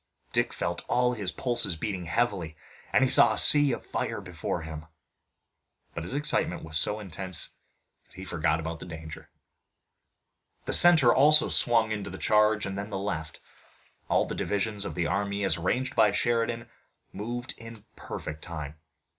Dick felt all his pulses beating heavily and he saw a sea of fire before him, but his excitement was so intense that he forgot about danger. The center also swung into the charge and then the left. All the divisions of the army, as arranged by Sheridan, moved in perfect time.